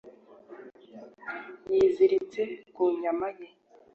yiziritse ku nyama ye